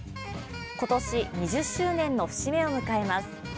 今年２０周年の節目を迎えます。